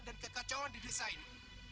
dan kekacauan di desa ini